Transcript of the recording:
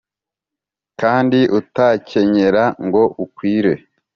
kandi utakenyera ngo ukwire